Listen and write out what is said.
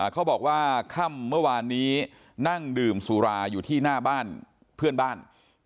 เขาบอกว่าค่ำเมื่อวานนี้นั่งดื่มสุราอยู่ที่หน้าบ้านเพื่อนบ้าน